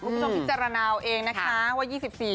คุณผู้ชมพิจารณาเอาเองนะคะว่า๒๔